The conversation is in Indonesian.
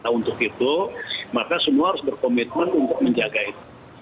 untuk itu maka semua harus berkomitmen untuk menjaga itu